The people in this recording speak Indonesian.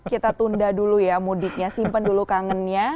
kita tunda dulu ya mudiknya simpen dulu kangennya